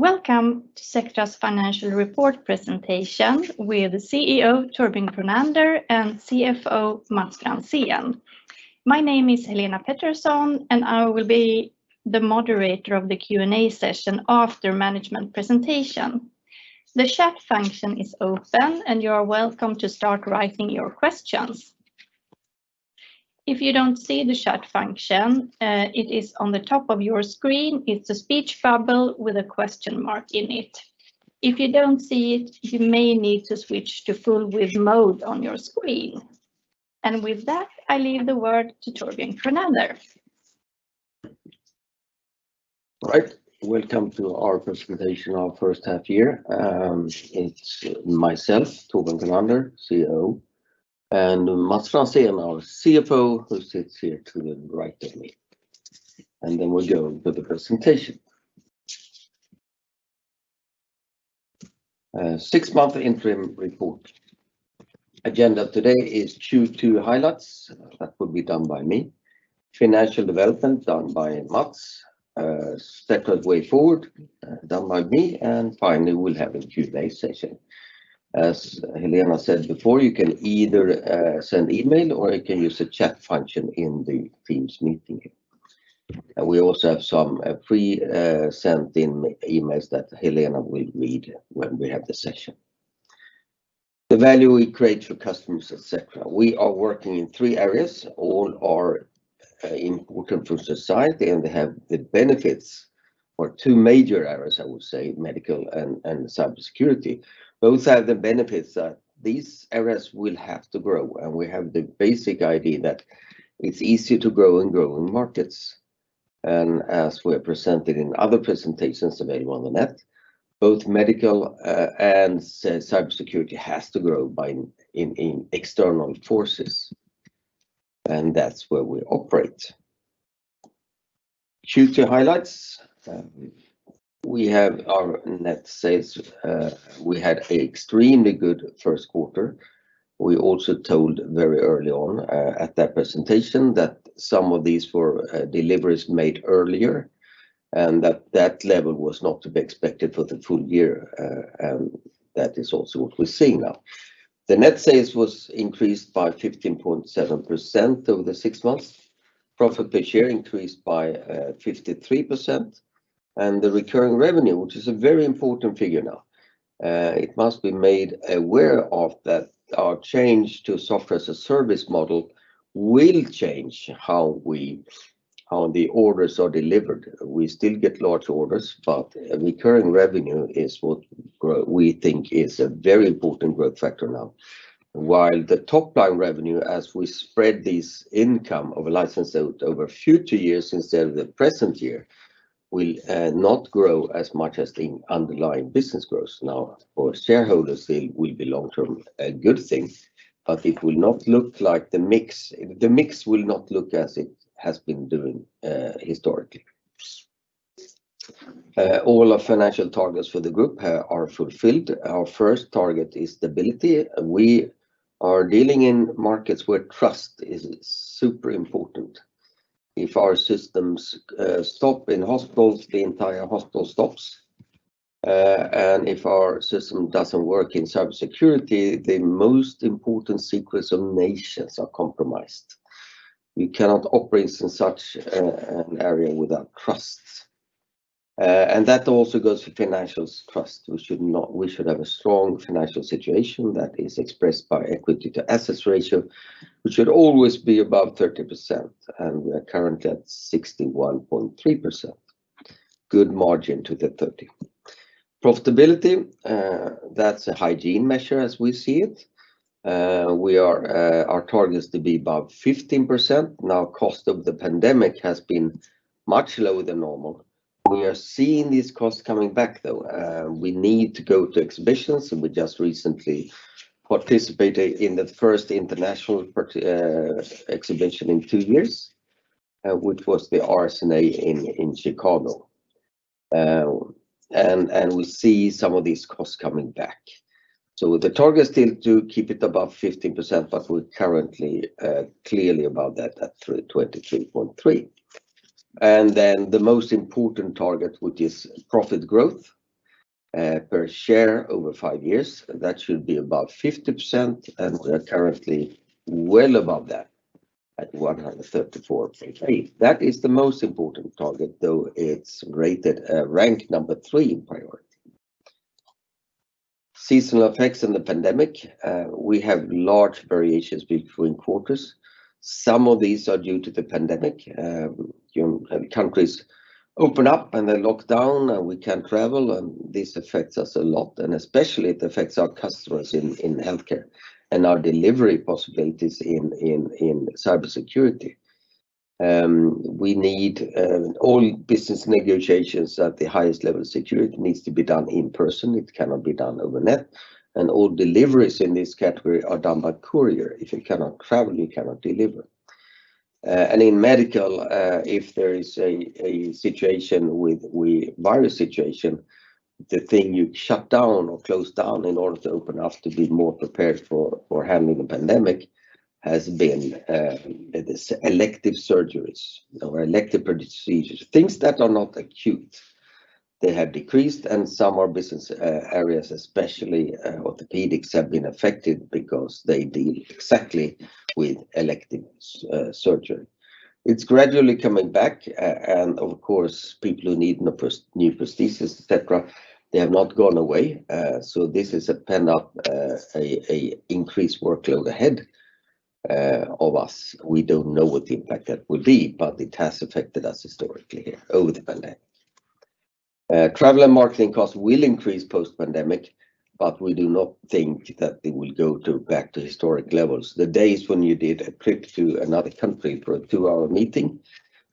Welcome to Sectra's financial report presentation with CEO Torbjörn Kronander and CFO Mats Franzén. My name is Helena Pettersson, and I will be the moderator of the Q&A session after management presentation. The chat function is open, and you are welcome to start writing your questions. If you don't see the chat function, it is on the top of your screen. It's a speech bubble with a question mark in it. If you don't see it, you may need to switch to full width mode on your screen. With that, I leave the word to Torbjörn Kronander. All right. Welcome to our presentation of first half year. It's myself, Torbjörn Kronander, CEO, and Mats Franzén, our CFO, who sits here to the right of me. Then we'll go to the presentation. Six-month interim report. Agenda today is Q2 highlights, that will be done by me, financial development done by Mats, Sectra's way forward, done by me, and finally, we'll have a Q&A session. As Helena said before, you can either send email or you can use the chat function in the Teams meeting here. We also have some pre-sent in emails that Helena will read when we have the session. The value we create for customers at Sectra. We are working in three areas. All are important for society, and they have the benefits for two major areas, I would say, medical and cybersecurity. Both have the benefits that these areas will have to grow, and we have the basic idea that it's easier to grow and grow in markets. As we have presented in other presentations available on the net, both medical and cybersecurity has to grow, driven by external forces, and that's where we operate. Q2 highlights. We have our net sales. We had an extremely good first quarter. We also told very early on at that presentation that some of these were deliveries made earlier, and that level was not to be expected for the full year. That is also what we're seeing now. The net sales was increased by 15.7% over the six months. Profit per share increased by 53%, and the recurring revenue, which is a very important figure now, it must be made aware of that our change to software as a service model will change how we, how the orders are delivered. We still get large orders, but recurring revenue is what we think is a very important growth factor now. While the top-line revenue, as we spread this income of a license out over future years instead of the present year, will not grow as much as the underlying business grows now, for shareholders it will be long-term a good thing, but it will not look like the mix. The mix will not look as it has been doing, historically. All our financial targets for the group are fulfilled. Our first target is stability. We are dealing in markets where trust is super important. If our systems stop in hospitals, the entire hospital stops. If our system doesn't work in cybersecurity, the most important secrets of nations are compromised. We cannot operate in such an area without trust. That also goes for financial trust. We should have a strong financial situation that is expressed by equity to assets ratio, which should always be above 30%, and we are currently at 61.3%. Good margin to the 30%. Profitability, that's a hygiene measure as we see it. Our target is to be above 15%. Now, cost of the pandemic has been much lower than normal. We are seeing these costs coming back though. We need to go to exhibitions, and we just recently participated in the first international exhibition in two years, which was the RSNA in Chicago. We see some of these costs coming back. The target's still to keep it above 15%, but we're currently clearly above that at 23.3%. The most important target, which is profit growth per share over five years, that should be above 50%, and we're currently well above that at 134.3%. That is the most important target, though it's rated ranked number three in priority. Seasonal effects and the pandemic, we have large variations between quarters. Some of these are due to the pandemic. You have countries open up, and they lock down, and we can't travel, and this affects us a lot. Especially it affects our customers in healthcare and our delivery possibilities in cybersecurity. We need all business negotiations at the highest level of security needs to be done in person. It cannot be done over net. All deliveries in this category are done by courier. If you cannot travel, you cannot deliver. In medical, if there is a situation with virus situation. The thing you shut down or close down in order to open up to be more prepared for handling the pandemic has been this elective surgeries or elective procedures, things that are not acute. They have decreased, and some of our business areas, especially orthopedics, have been affected because they deal exactly with elective surgery. It's gradually coming back and of course, people who need a new prosthesis, et cetera, they have not gone away. This is a pent-up increased workload ahead of us. We don't know what the impact that will be, but it has affected us historically here over the pandemic. Travel and marketing costs will increase post-pandemic, but we do not think that they will go back to historic levels. The days when you did a trip to another country for a two-hour meeting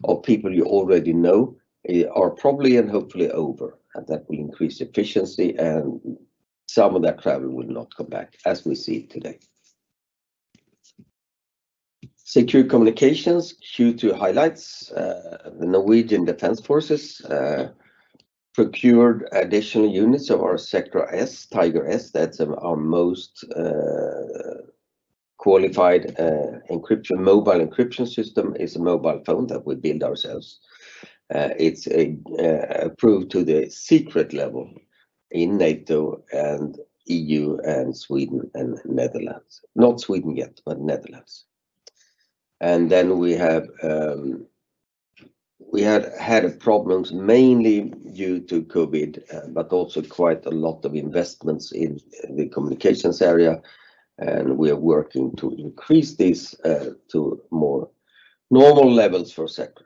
of people you already know are probably and hopefully over, and that will increase efficiency and some of that travel will not come back as we see it today. Secure Communications, Q2 highlights. The Norwegian Armed Forces procured additional units of our Sectra Tiger/S. That's our most qualified encrypted mobile encryption system. It's a mobile phone that we build ourselves. It's approved to the secret level in NATO and EU and Sweden and Netherlands, not Sweden yet, but Netherlands. We have had problems mainly due to COVID, but also quite a lot of investments in the communications area, and we are working to increase this to more normal levels for Sectra.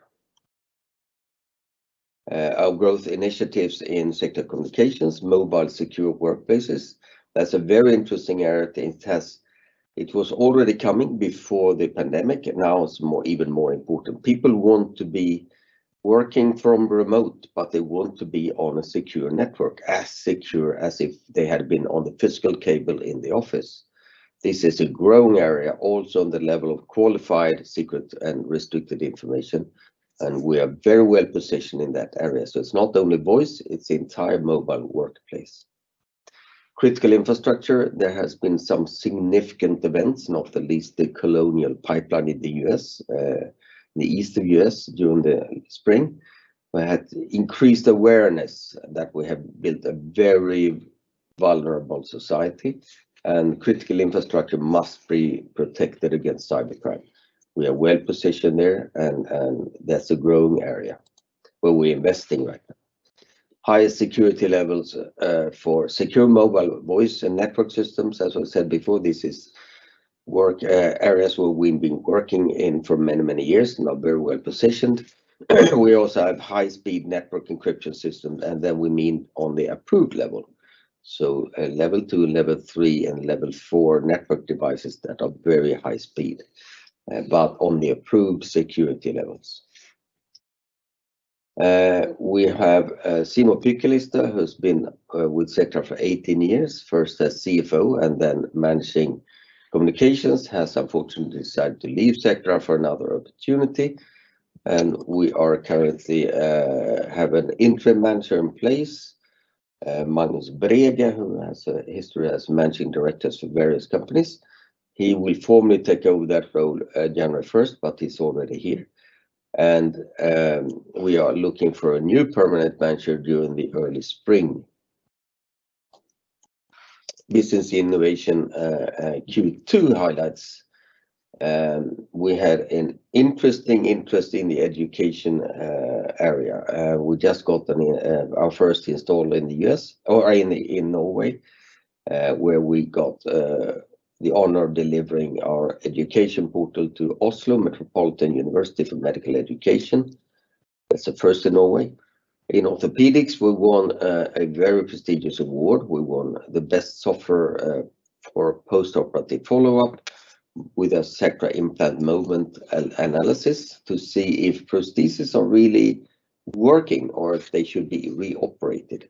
Our growth initiatives in Sectra Communications, mobile secure workplaces, that's a very interesting area. It was already coming before the pandemic, and now it's even more important. People want to be working from remote, but they want to be on a secure network, as secure as if they had been on the physical cable in the office. This is a growing area, also on the level of qualified, secret, and restricted information, and we are very well positioned in that area. It's not only voice, it's the entire mobile workplace. Critical infrastructure, there has been some significant events, not the least the Colonial Pipeline in the U.S., the Eastern U.S. during the spring, that increased awareness that we have built a very vulnerable society and critical infrastructure must be protected against cybercrime. We are well positioned there and that's a growing area where we're investing right now. Higher security levels for secure mobile voice and network systems. As I said before, this is work areas where we've been working in for many years, now very well positioned. We also have high-speed network encryption systems, and then we mean on the approved level. Level two, level three, and level four network devices that are very high speed, but on the approved security levels. We have Simo Pykälistö, who's been with Sectra for 18 years, first as CFO and then managing communications, has unfortunately decided to leave Sectra for another opportunity. We currently have an interim manager in place, Magnus Breen, who has a history as managing directors for various companies. He will formally take over that role January first, but he's already here. We are looking for a new permanent manager during the early spring. Business Innovation Q2 highlights. We had an interesting interest in the education area. We just got our first install in Norway, where we got the honor of delivering our education portal to Oslo Metropolitan University for medical education. That's a first in Norway. In orthopedics, we won a very prestigious award. We won the best software for postoperative follow-up with our Sectra Implant Movement Analysis to see if prostheses are really working or if they should be reoperated.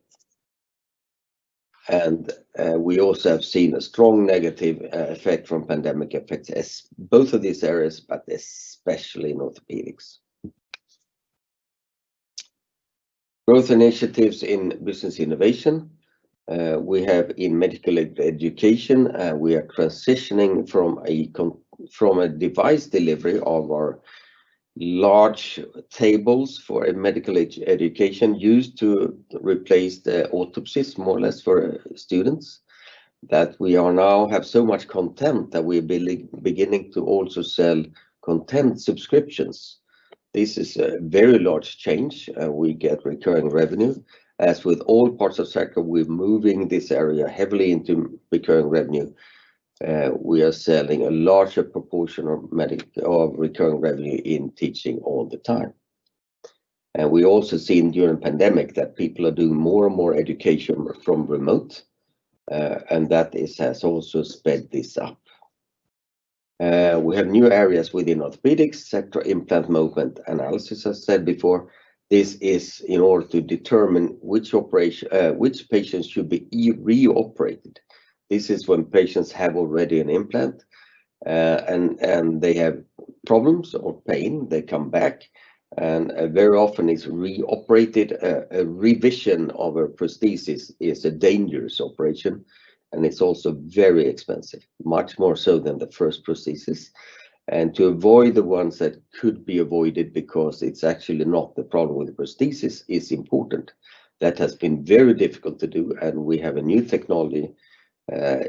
We also have seen a strong negative effect from pandemic effects as both of these areas, but especially in orthopedics. Growth initiatives in Business Innovation, we have in medical education, we are transitioning from a device delivery of our large tables for a medical education used to replace the autopsies more or less for students, that we are now have so much content that we're beginning to also sell content subscriptions. This is a very large change. We get recurring revenue. As with all parts of Sectra, we're moving this area heavily into recurring revenue. We are selling a larger proportion of recurring revenue in teaching all the time. We have also seen during pandemic that people are doing more and more education remotely, and that has also sped this up. We have new areas within orthopedics, Sectra Implant Movement Analysis. I said before, this is in order to determine which patients should be reoperated. This is when patients have already an implant, and they have problems or pain, they come back, and very often it's reoperated. A revision of a prosthesis is a dangerous operation, and it's also very expensive, much more so than the first prosthesis. To avoid the ones that could be avoided because it's actually not the problem with the prosthesis is important. That has been very difficult to do, and we have a new technology,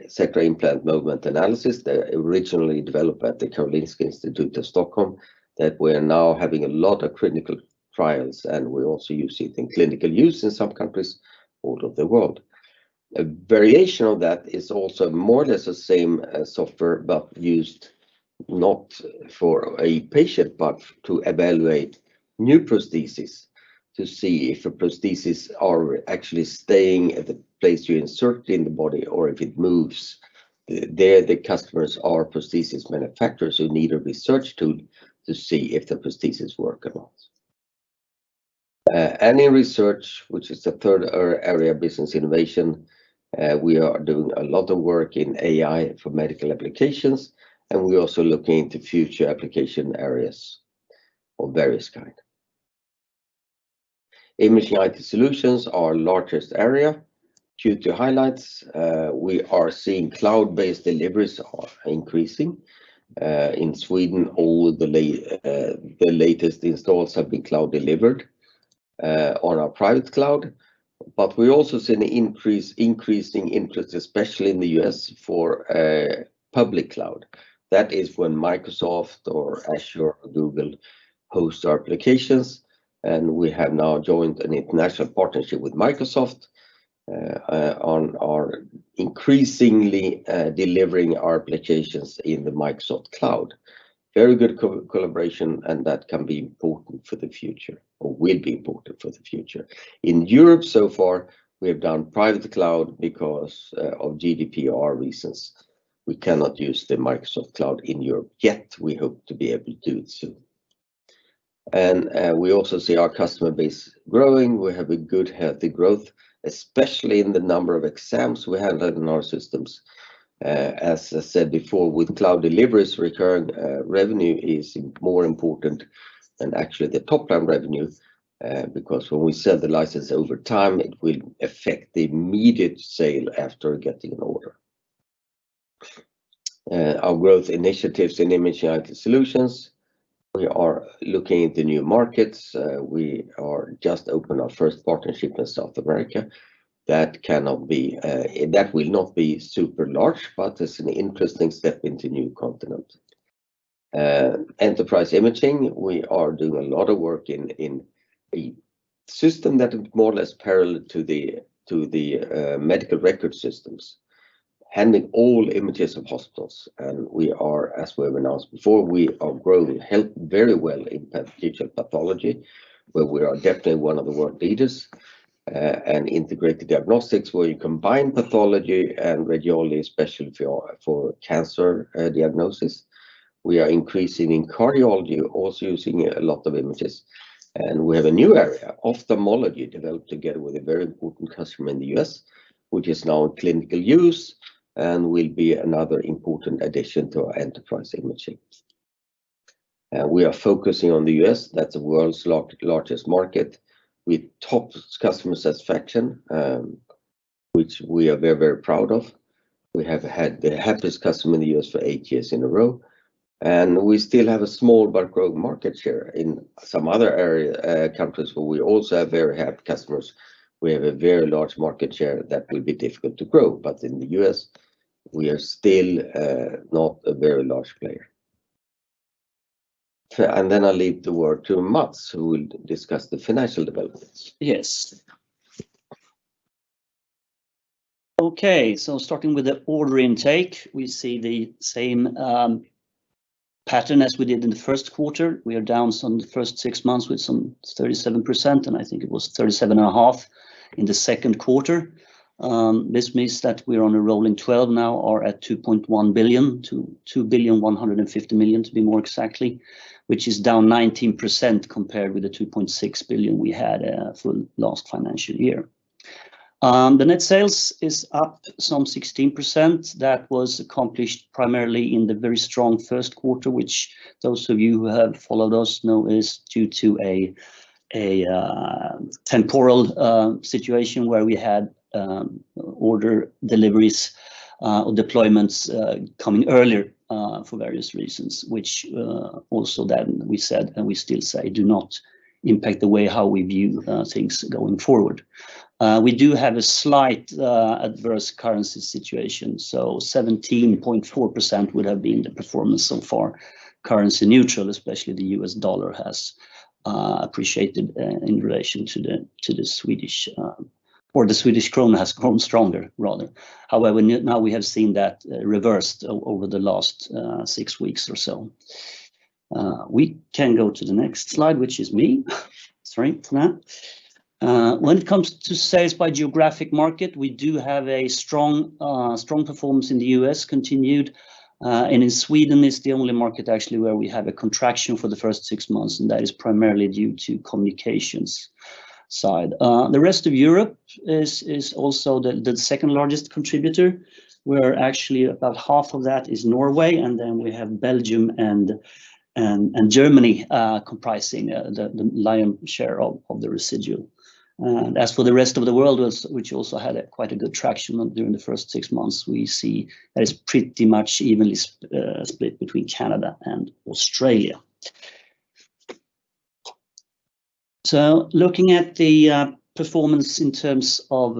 Sectra Implant Movement Analysis, originally developed at the Karolinska Institutet of Stockholm, that we're now having a lot of clinical trials, and we're also using it in clinical use in some countries all over the world. A variation of that is also more or less the same as software, but used not for a patient, but to evaluate new prosthesis, to see if a prosthesis are actually staying at the place you insert in the body or if it moves. There, the customers are prosthesis manufacturers who need a research tool to see if the prosthesis work or not. In research, which is the third area of Business Innovation, we are doing a lot of work in AI for medical applications, and we're also looking into future application areas of various kind. Imaging IT Solutions, our largest area. Q2 highlights, we are seeing cloud-based deliveries are increasing. In Sweden, all the latest installs have been cloud delivered on our private cloud. We also see an increase, increasing interest, especially in the U.S., for public cloud. That is when Microsoft or Azure or Google host our applications, and we have now joined an international partnership with Microsoft on increasingly delivering our applications in the Microsoft cloud. Very good collaboration, and that can be important for the future, or will be important for the future. In Europe so far, we have done private cloud because of GDPR reasons. We cannot use the Microsoft cloud in Europe yet. We hope to be able to do it soon. We also see our customer base growing. We have a good, healthy growth, especially in the number of exams we handle in our systems. As I said before, with cloud deliveries, recurring revenue is more important than actually the top-line revenue because when we sell the license over time, it will affect the immediate sale after getting an order. Our growth initiatives in Imaging IT Solutions, we are looking into new markets. We are just opened our first partnership in South America. That will not be super large, but it's an interesting step into new continent. Enterprise imaging, we are doing a lot of work in a system that more or less parallel to the medical record systems, handling all images of hospitals. As we announced before, we are growing very well in pathology, where we are definitely one of the world leaders, and integrated diagnostics, where you combine pathology and radiology, especially for cancer diagnosis. We are increasing in cardiology, also using a lot of images. We have a new area, ophthalmology, developed together with a very important customer in the U.S., which is now in clinical use and will be another important addition to our enterprise imaging. We are focusing on the U.S. That's the world's largest market with top customer satisfaction, which we are very, very proud of. We have had the happiest customer in the U.S. for eight years in a row, and we still have a small but growing market share. In some other area, countries where we also have very happy customers, we have a very large market share that will be difficult to grow. But in the U.S., we are still not a very large player. I'll leave the word to Mats, who will discuss the financial developments. Yes. Okay, starting with the order intake, we see the same pattern as we did in the first quarter. We are down some in the first six months with some 37%, and I think it was 37.5% in the second quarter. This means that we're on a rolling twelve now or at 2.1 billion-2.15 billion to be more exact, which is down 19% compared with the 2.6 billion we had for last financial year. The net sales is up some 16%. That was accomplished primarily in the very strong first quarter, which those of you who have followed us know is due to a temporal situation where we had order deliveries or deployments coming earlier for various reasons, which also then we said, and we still say, do not impact the way how we view things going forward. We do have a slight adverse currency situation, so 17.4% would have been the performance so far, currency neutral, especially the U.S. dollar has appreciated in relation to the Swedish krona or the Swedish krona has grown stronger rather. However, now we have seen that reversed over the last six weeks or so. We can go to the next slide, which is me. Sorry for that. When it comes to sales by geographic market, we do have a strong performance in the U.S. continued. In Sweden is the only market actually where we have a contraction for the first six months, and that is primarily due to Communications side. The rest of Europe is also the second-largest contributor, where actually about half of that is Norway, and then we have Belgium and Germany comprising the lion's share of the residual. As for the rest of the world, which also had quite a good traction during the first six months, we see that it's pretty much evenly split between Canada and Australia. Looking at the performance in terms of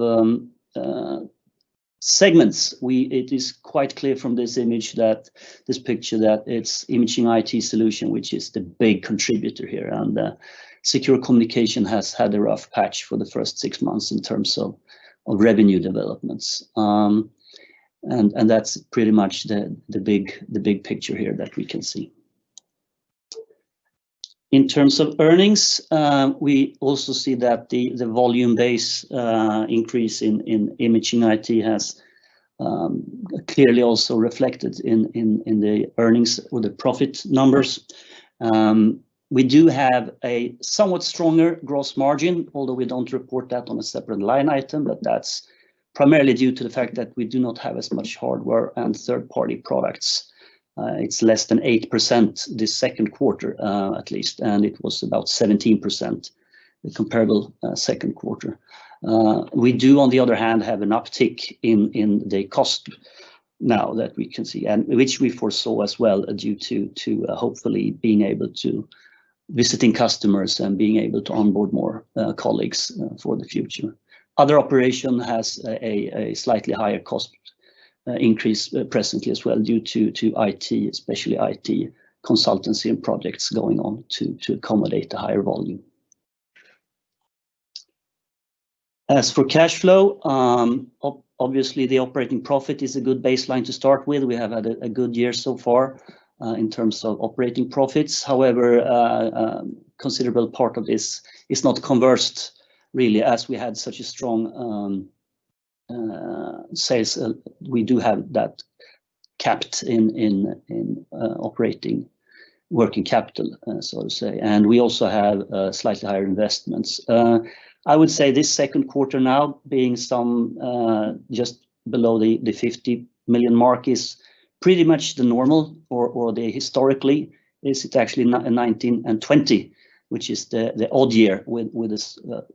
segments, it is quite clear from this image that this picture that it's Imaging IT Solutions, which is the big contributor here. The Secure Communications has had a rough patch for the first six months in terms of revenue developments. That's pretty much the big picture here that we can see. In terms of earnings, we also see that the volume-based increase in Imaging IT has clearly also reflected in the earnings or the profit numbers. We do have a somewhat stronger gross margin, although we don't report that on a separate line item, but that's primarily due to the fact that we do not have as much hardware and third-party products. It's less than 8% this second quarter, at least, and it was about 17% in the comparable second quarter. We do, on the other hand, have an uptick in the costs now that we can see, which we foresaw as well due to hopefully being able to visit customers and being able to onboard more colleagues for the future. Other operations have a slightly higher cost increase presently as well due to IT, especially IT consultancy and projects going on to accommodate a higher volume. As for cash flow, obviously the operating profit is a good baseline to start with. We have had a good year so far in terms of operating profits. However, a considerable part of this is not converted really as we had such a strong sales. We do have that captured in operating working capital, so to say. We also have slightly higher investments. I would say this second quarter now being somewhere just below the 50 million mark is pretty much the normal or the historical. It's actually 2019 and 2020, which were the odd years with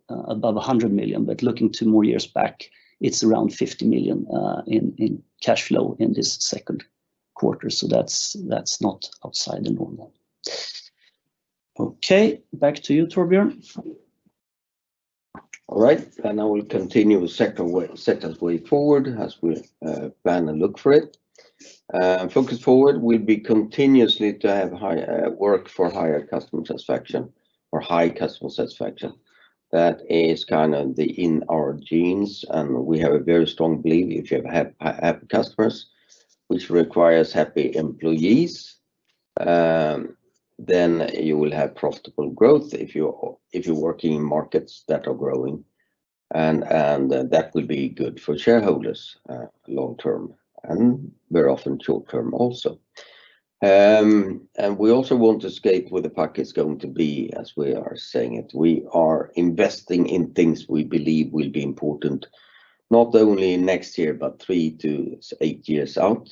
above 100 million. Looking two more years back, it's around 50 million in cash flow in this second quarter. That's not outside the normal. Okay, back to you, Torbjörn. All right. I will continue with Sectra's way forward as we plan and look forward to it. Focus going forward will be continuously to work for higher customer satisfaction or high customer satisfaction. That is kind of in our genes. We have a very strong belief if you have happy customers, which requires happy employees, then you will have profitable growth if you're working in markets that are growing. That will be good for shareholders long term and very often short term also. We also want to skate to where the puck is going to be as the saying goes. We are investing in things we believe will be important, not only next year, but three to eight years out.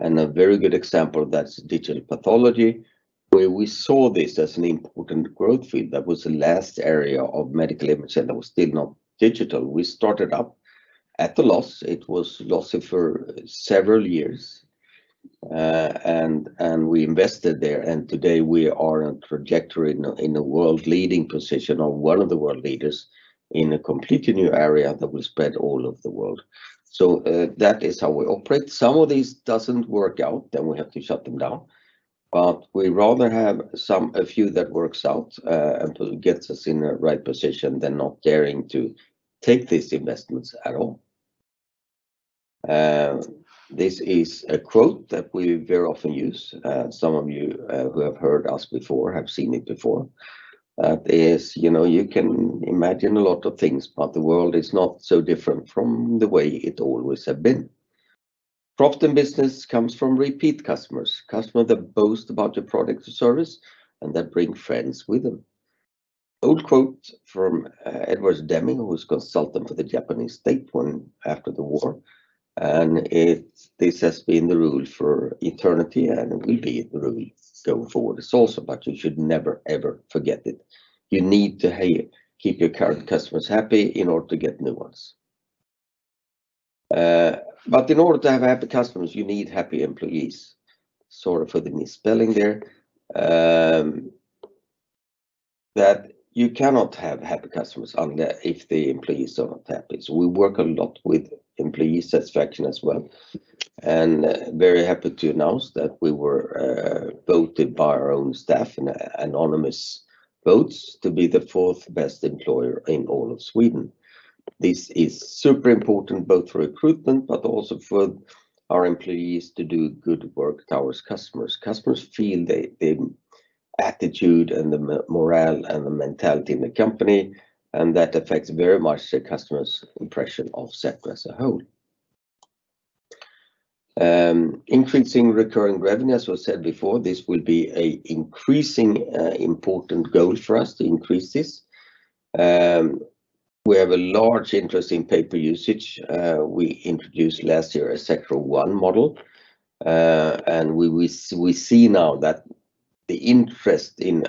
A very good example of that is digital pathology, where we saw this as an important growth field that was the last area of medical imaging that was still not digital. We started up at a loss. It was lossy for several years. We invested there. Today we are on trajectory in a world leading position or one of the world leaders in a completely new area that will spread all over the world. That is how we operate. Some of these doesn't work out, then we have to shut them down. We rather have a few that works out and gets us in the right position than not daring to take these investments at all. This is a quote that we very often use. Some of you who have heard us before have seen it before. It is, you know, you can imagine a lot of things, but the world is not so different from the way it always have been. Profit in business comes from repeat customers that boast about your product or service and that bring friends with them. Old quote from Edwards Deming, who was consultant for the Japanese state after the war. This has been the rule for eternity and will be the rule going forward. It's also about you should never, ever forget it. You need to keep your current customers happy in order to get new ones. In order to have happy customers, you need happy employees. Sorry for the misspelling there. That you cannot have happy customers if the employees are not happy. We work a lot with employee satisfaction as well. Very happy to announce that we were voted by our own staff in anonymous votes to be the fourth best employer in all of Sweden. This is super important both for recruitment, but also for our employees to do good work towards customers. Customers feel the attitude and the morale and the mentality in the company, and that affects very much the customer's impression of Sectra as a whole. Increasing recurring revenue, as was said before, this will be an increasingly important goal for us to increase this. We have a large interest in pay-per-use. We introduced last year a Sectra One model. We see now that the interest in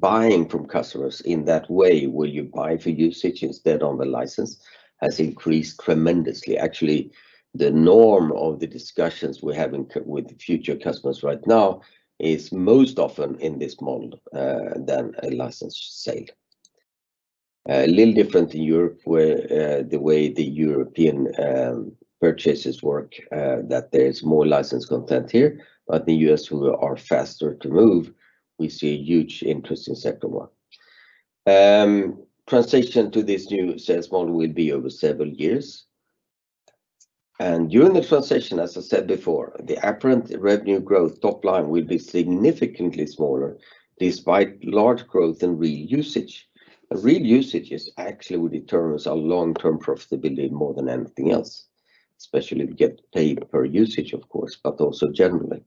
buying from customers in that way, where you buy for usage instead of the license, has increased tremendously. Actually, the norm of the discussions we're having with future customers right now is most often in this model than a license sale. A little different in Europe where the way the European purchases work, that there is more license content here. The U.S. who are faster to move, we see a huge interest in Sectra One. Transition to this new sales model will be over several years. During the transition, as I said before, the apparent revenue growth top line will be significantly smaller despite large growth in real usage. Real usage is actually what determines our long-term profitability more than anything else, especially if we get paid per usage, of course, but also generally.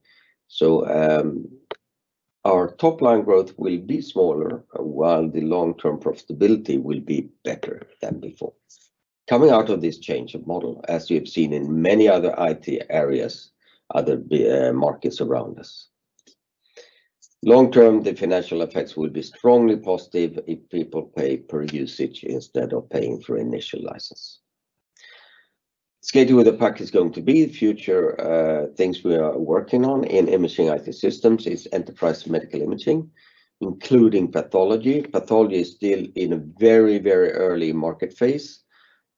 Our top line growth will be smaller while the long-term profitability will be better than before. Coming out of this change of model, as we have seen in many other IT areas, other markets around us. Long term, the financial effects will be strongly positive if people pay-per-use instead of paying for initial license. Schedule of the PACS is going to be future things we are working on in Imaging IT Solutions is enterprise medical imaging, including pathology. Pathology is still in a very, very early market phase.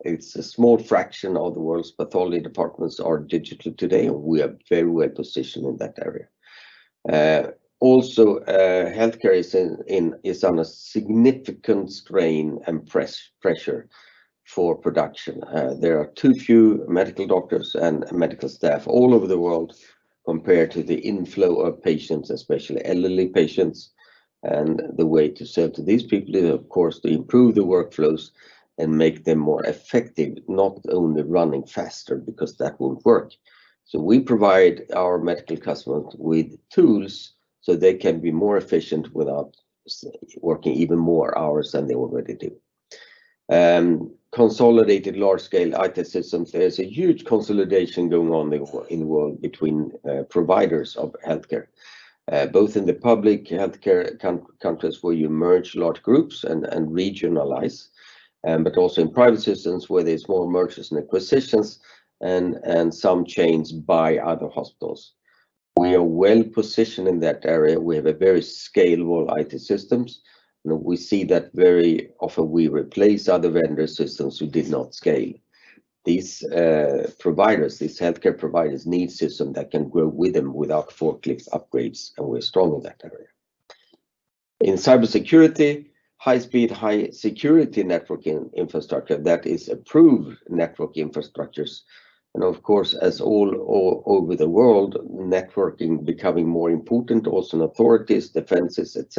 It's a small fraction of the world's pathology departments are digital today, and we are very well positioned in that area. Healthcare is under significant strain and pressure for production. There are too few medical doctors and medical staff all over the world compared to the inflow of patients, especially elderly patients. The way to serve to these people is, of course, to improve the workflows and make them more effective, not only running faster, because that won't work. We provide our medical customers with tools so they can be more efficient without working even more hours than they already do. Consolidated large-scale IT systems. There's a huge consolidation going on in the world between providers of healthcare, both in the public healthcare countries where you merge large groups and regionalize, but also in private systems where there's more mergers and acquisitions and some chains by other hospitals. We are well-positioned in that area. We have a very scalable IT systems. You know, we see that very often we replace other vendor systems who did not scale. These providers, these healthcare providers need a system that can grow with them without forklift upgrades, and we're strong in that area. In cybersecurity, high-speed, high-security networking infrastructure that is approved network infrastructures. Of course, as all over the world, networking becoming more important, also in authorities, defenses, et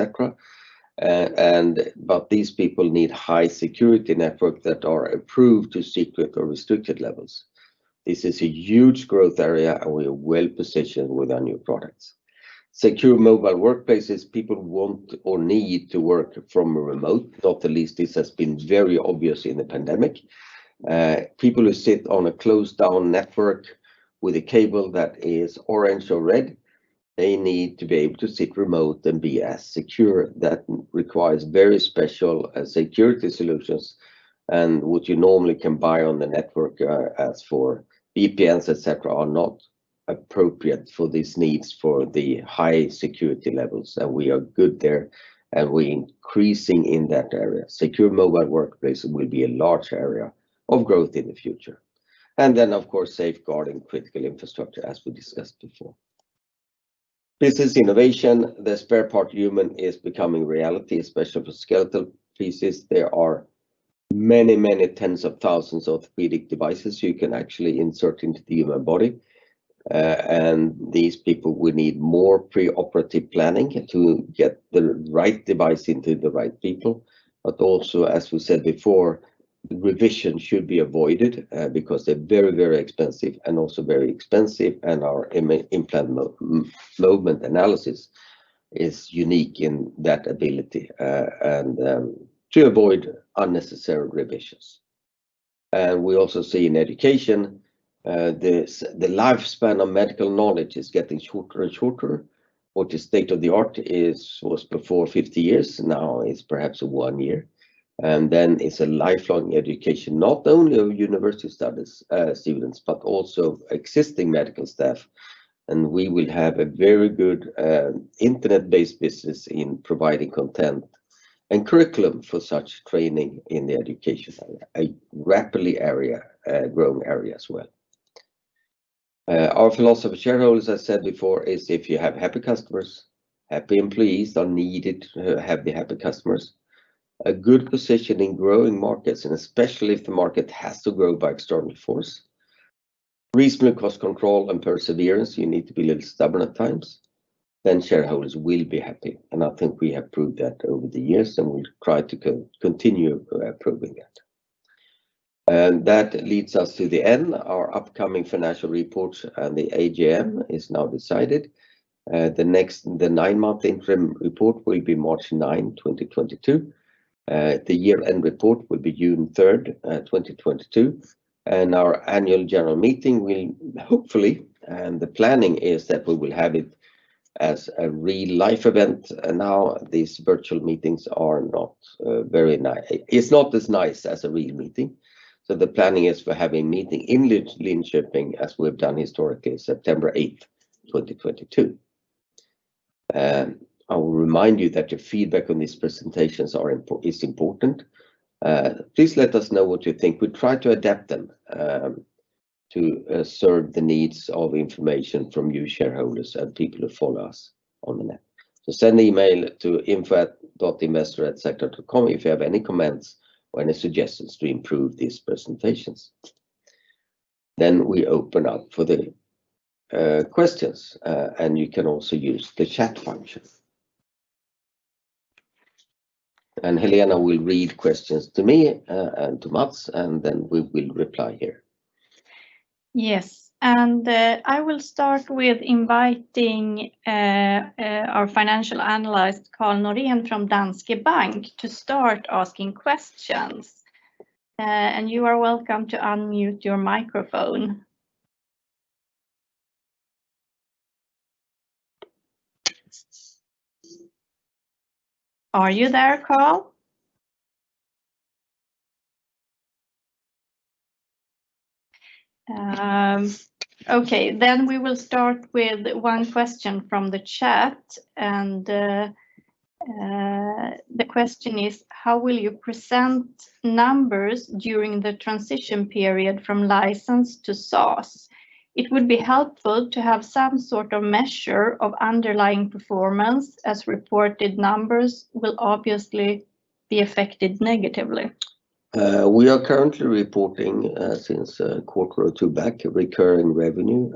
cetera. These people need high security network that are approved to secret or restricted levels. This is a huge growth area, and we are well-positioned with our new products. Secure mobile workplaces. People want or need to work remotely. Not the least, this has been very obvious in the pandemic. People who sit on a closed-down network with a cable that is orange or red, they need to be able to sit remotely and be as secure. That requires very special security solutions, and what you normally can buy on the network, as for VPNs, et cetera, are not appropriate for these needs for the high security levels. We are good there, and we're increasing in that area. Secure mobile workplace will be a large area of growth in the future. Of course, safeguarding critical infrastructure as we discussed before. Business Innovation. The spare part human is becoming reality, especially for skeletal pieces. There are many, many tens of thousands of orthopedic devices you can actually insert into the human body. These people will need more preoperative planning to get the right device into the right people. Also, as we said before, revision should be avoided because they're very, very expensive and also very expensive. Our Implant Movement Analysis is unique in that ability and to avoid unnecessary revisions. We also see in education the lifespan of medical knowledge is getting shorter and shorter. What is state-of-the-art was before 50 years, now is perhaps 1 year. Then it's a lifelong education, not only of university studies students, but also existing medical staff. We will have a very good internet-based business in providing content and curriculum for such training in the education center, a rapidly growing area as well. Our philosophy of shareholders, I said before, is if you have happy customers, happy employees are needed to have the happy customers. A good position in growing markets, and especially if the market has to grow by external force. Reasonable cost control and perseverance, you need to be a little stubborn at times, then shareholders will be happy. I think we have proved that over the years, and we try to continue proving it. That leads us to the end, our upcoming financial report and the AGM is now decided. The nine-month interim report will be March 9th, 2022. The year-end report will be June 3rd, 2022. Our annual general meeting will hopefully, and the planning is that we will have it as a real-life event. Now these virtual meetings are not, It's not as nice as a real meeting, so the planning is to have a meeting in Linköping, as we have done historically, September 8th, 2022. I will remind you that your feedback on these presentations is important. Please let us know what you think. We try to adapt them to serve the needs of information from you shareholders and people who follow us on the net. Send email to info.investor@sectra.com if you have any comments or any suggestions to improve these presentations. We open up for the questions. You can also use the chat function. Helena will read questions to me and to Mats, and we will reply here. Yes. I will start with inviting our financial analyst, Karl Norén from Danske Bank, to start asking questions. You are welcome to unmute your microphone. Are you there, Karl? Okay, we will start with one question from the chat, and the question is, "How will you present numbers during the transition period from license to SaaS? It would be helpful to have some sort of measure of underlying performance as reported numbers will obviously be affected negatively. We are currently reporting, since quarter two back, recurring revenue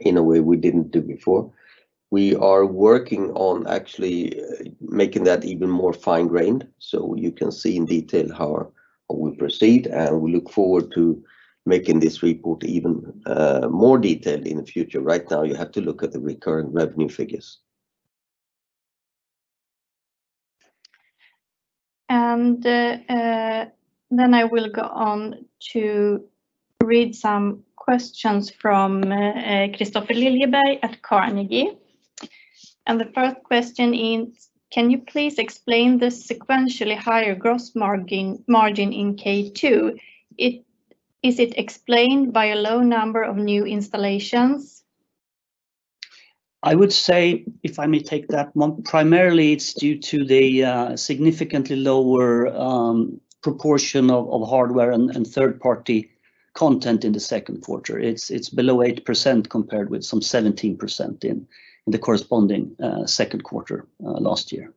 in a way we didn't do before. We are working on actually making that even more fine-grained, so you can see in detail how we proceed, and we look forward to making this report even more detailed in the future. Right now, you have to look at the recurring revenue figures. I will go on to read some questions from Kristofer Liljeberg at Carnegie. The first question is, "Can you please explain the sequentially higher gross margin in Q2? Is it explained by a low number of new installations? I would say, if I may take that one, primarily it's due to the significantly lower proportion of hardware and third-party content in the second quarter. It's below 8% compared with some 17% in the corresponding second quarter last year.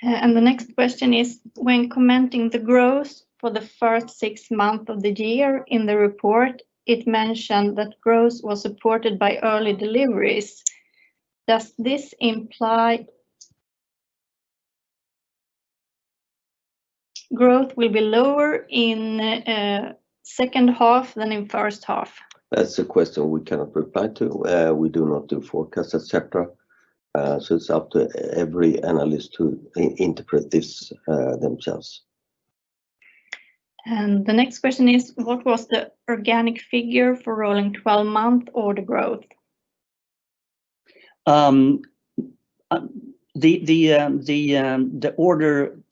The next question is, "When commenting the growth for the first six months of the year in the report, it mentioned that growth was supported by early deliveries. Does this imply growth will be lower in second half than in first half? That's a question we cannot reply to. We do not do forecast at Sectra, so it's up to every analyst to interpret this themselves. The next question is, "What was the organic figure for rolling 12-month order growth? The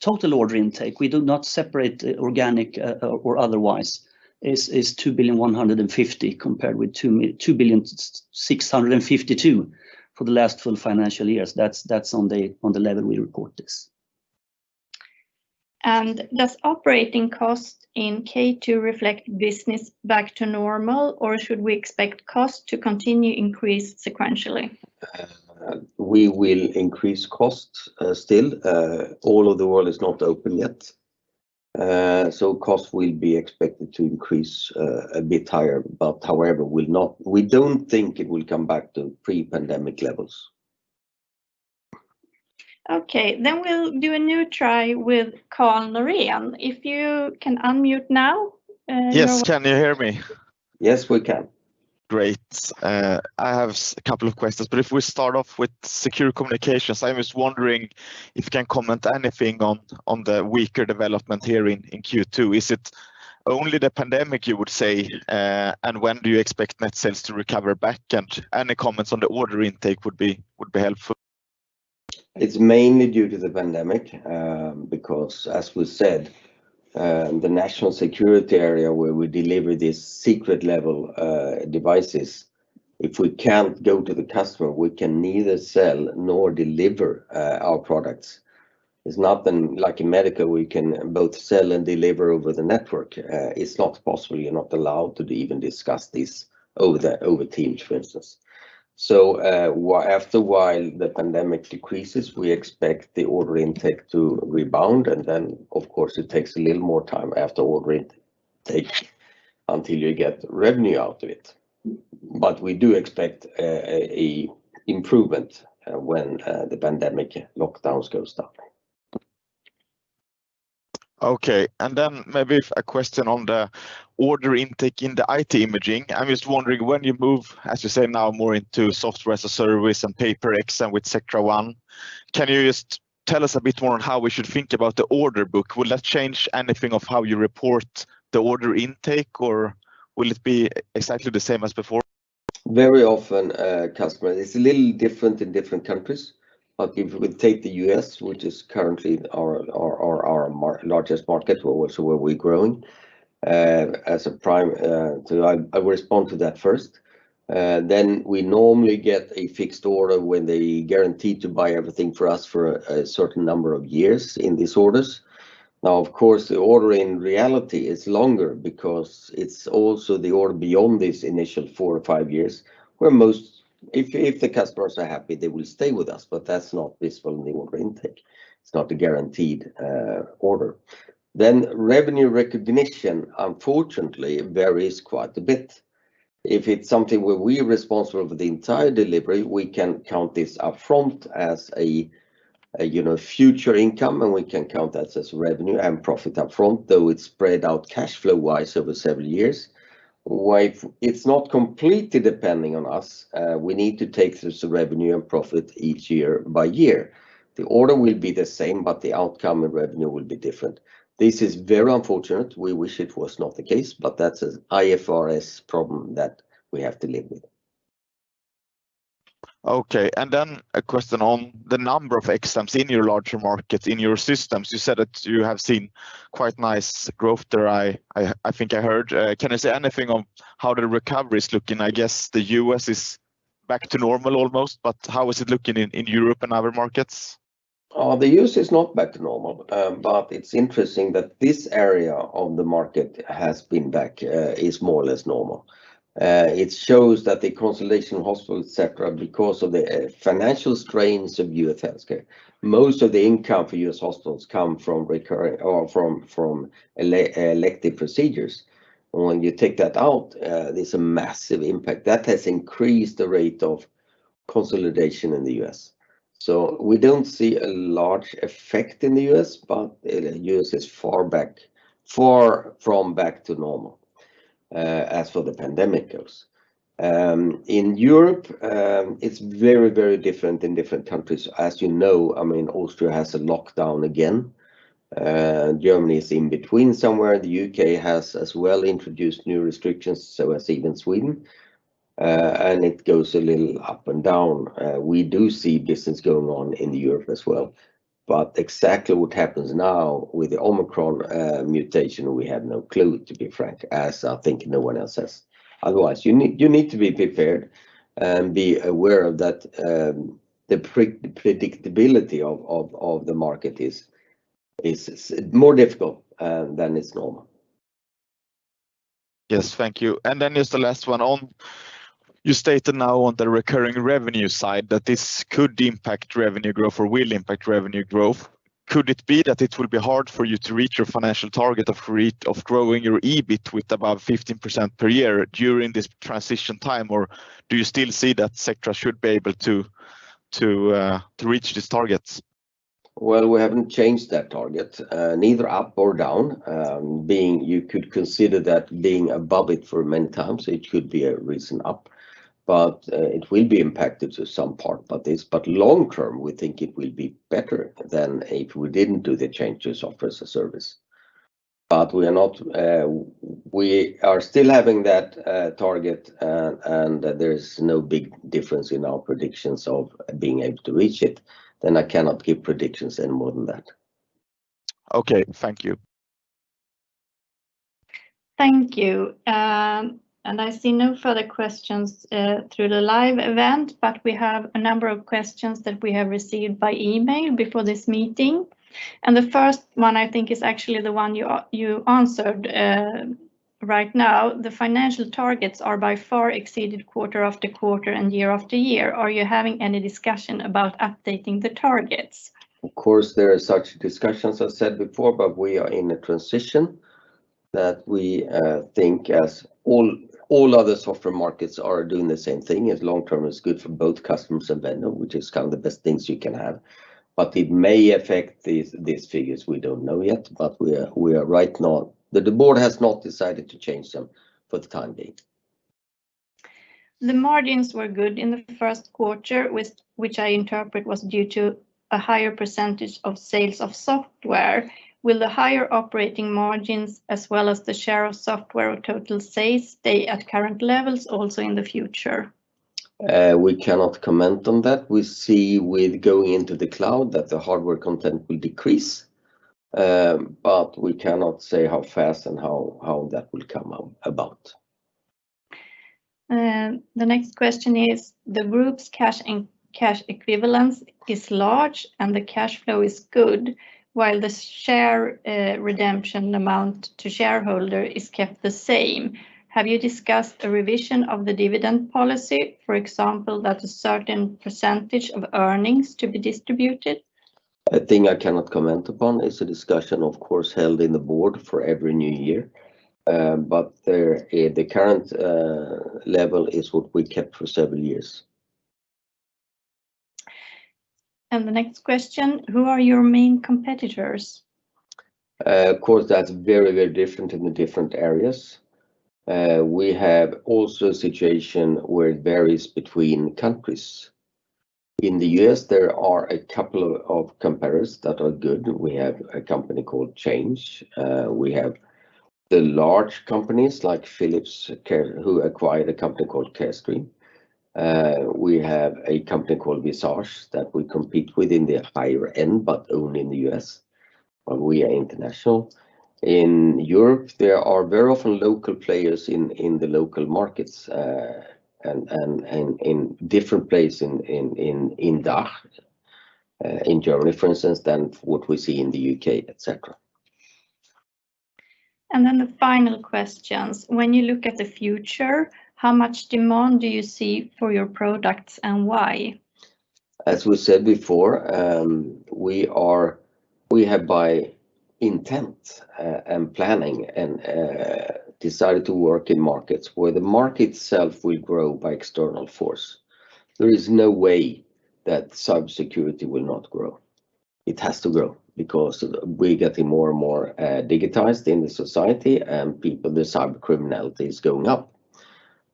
total order intake, we do not separate organic or otherwise, is 2.150 billion compared with 2.652 billion for the last full financial years. That's on the level we report this. Does operating cost in Q2 reflect business back to normal, or should we expect cost to continue increase sequentially? We will increase costs, still. All of the world is not open yet. Costs will be expected to increase a bit higher, but however, we don't think it will come back to pre-pandemic levels. Okay, then we'll do a new try with Karl Norén. If you can unmute now. Yes, can you hear me? Yes, we can. Great. I have a couple of questions, but if we start off with Secure Communications, I was wondering if you can comment anything on the weaker development here in Q2. Is it only the pandemic, you would say? And when do you expect net sales to recover back? And any comments on the order intake would be helpful. It's mainly due to the pandemic, because, as we said, the national security area where we deliver these secret level devices. If we can't go to the customer, we can neither sell nor deliver our products. It's not then like in medical we can both sell and deliver over the network. It's not possible. You're not allowed to even discuss this over Teams, for instance. After a while the pandemic decreases, we expect the order intake to rebound, and then of course it takes a little more time after order intake until you get revenue out of it. We do expect an improvement when the pandemic lockdowns go away. Okay. Maybe a question on the order intake in the IT imaging. I'm just wondering, when you move, as you say now, more into software as a service and pay-per-use and with Sectra One, can you just tell us a bit more on how we should think about the order book? Will that change anything of how you report the order intake, or will it be exactly the same as before? Very often, customer, it's a little different in different countries. If we take the U.S., which is currently our largest market, also where we're growing. I will respond to that first. We normally get a fixed order when they guarantee to buy everything for us for a certain number of years in these orders. Now of course, the order in reality is longer because it's also the order beyond this initial four or five years if the customers are happy. They will stay with us, but that's not visible in the order intake. It's not a guaranteed order. Revenue recognition unfortunately varies quite a bit. If it's something where we're responsible for the entire delivery, we can count this up front as a you know, future income, and we can count that as revenue and profit up front, though it's spread out cash flow-wise over several years. Where if it's not completely depending on us, we need to take the revenue and profit each year by year. The order will be the same, but the outcome and revenue will be different. This is very unfortunate. We wish it was not the case, but that's an IFRS problem that we have to live with. Okay. A question on the number of exams in your larger markets, in your systems. You said that you have seen quite nice growth there, I think I heard. Can you say anything on how the recovery is looking? I guess the U.S. is back to normal almost, but how is it looking in Europe and other markets? The U.S. is not back to normal, but it's interesting that this area of the market has been back, is more or less normal. It shows that the consolidation, hospital, et cetera, because of the financial strains of U.S. healthcare, most of the income for U.S. hospitals come from recurring or from elective procedures. When you take that out, there's a massive impact. That has increased the rate of consolidation in the U.S. We don't see a large effect in the U.S., but U.S. is far from back to normal, as for the pandemic goes. In Europe, it's very, very different in different countries. As you know, I mean, Austria has a lockdown again. Germany is in between somewhere. The U.K. has as well introduced new restrictions, so has even Sweden. It goes a little up and down. We do see distancing going on in Europe as well. Exactly what happens now with the Omicron mutation, we have no clue, to be frank, as I think no one else has. Otherwise, you need to be prepared and be aware that the predictability of the market is more difficult than is normal. Yes. Thank you. This is the last one. You stated now on the recurring revenue side that this could impact revenue growth or will impact revenue growth. Could it be that it will be hard for you to reach your financial target of growing your EBIT with above 15% per year during this transition time, or do you still see that Sectra should be able to to reach these targets? Well, we haven't changed that target, neither up or down. You could consider that being above it for many times, it could be a reason up. It will be impacted to some part by this. Long term, we think it will be better than if we didn't do the changes of software as a service. We are not, we are still having that target and there is no big difference in our predictions of being able to reach it. I cannot give predictions any more than that. Okay. Thank you. Thank you. I see no further questions through the live event, but we have a number of questions that we have received by email before this meeting. The first one I think is actually the one you answered right now. The financial targets are by far exceeded quarter after quarter and year after year. Are you having any discussion about updating the targets? Of course, there is such discussions. I've said before, but we are in a transition that we think, as all other software markets are doing the same thing, as long term is good for both customers and vendor, which is kind of the best things you can have. It may affect these figures. We don't know yet. We are right now. The board has not decided to change them for the time being. The margins were good in the first quarter, which I interpret was due to a higher percentage of sales of software. Will the higher operating margins as well as the share of software of total sales stay at current levels also in the future? We cannot comment on that. We see with going into the cloud that the hardware content will decrease, but we cannot say how fast and how that will come about. The next question is, the Group's cash and cash equivalents is large, and the cash flow is good, while the share redemption amount to shareholders is kept the same. Have you discussed a revision of the dividend policy, for example, that a certain percentage of earnings to be distributed? A thing I cannot comment upon. It's a discussion, of course, held in the board for every new year. The current level is what we kept for several years. The next question, who are your main competitors? Of course, that's very, very different in the different areas. We have also a situation where it varies between countries. In the U.S., there are a couple of competitors that are good. We have a company called Change Healthcare. We have the large companies like Philips, who acquired a company called Carestream. We have a company called Visage Imaging that we compete with in the higher end, but only in the U.S., but we are international. In Europe, there are very often local players in the local markets, and in different places in DACH. In Germany, for instance, from what we see in the U.K., etc. The final questions, when you look at the future, how much demand do you see for your products and why? As we said before, we have by intent and planning decided to work in markets where the market itself will grow by external force. There is no way that cybersecurity will not grow. It has to grow because we're getting more and more digitized in the society, and the cybercrime is going up.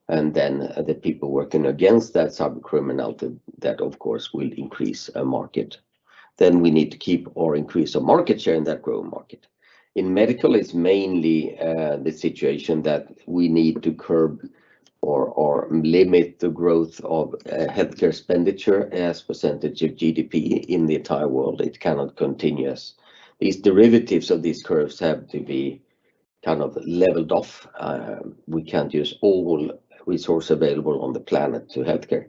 The people working against that cybercrime, that of course will increase the market. We need to keep or increase our market share in that growing market. In medical, it's mainly the situation that we need to curb or limit the growth of healthcare expenditure as percentage of GDP in the entire world. It cannot continue. These derivatives of these curves have to be kind of leveled off. We can't use all resources available on the planet to healthcare.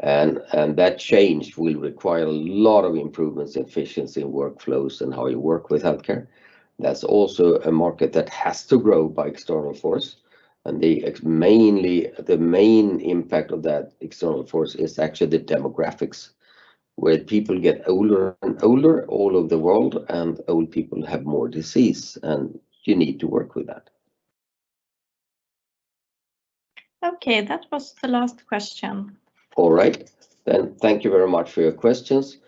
That change will require a lot of improvements, efficiency in workflows, and how you work with healthcare. That's also a market that has to grow by external force. Mainly, the main impact of that external force is actually the demographics, where people get older and older all over the world, and old people have more disease, and you need to work with that. Okay, that was the last question. All right. Thank you very much for your questions.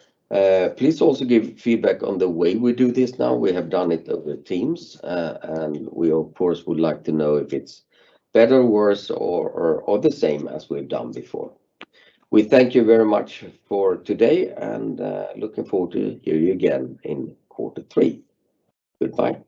Please also give feedback on the way we do this now. We have done it over Teams, and we of course would like to know if it's better or worse or the same as we've done before. We thank you very much for today, and looking forward to hear you again in quarter three. Goodbye.